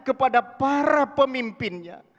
kepada para pemimpinnya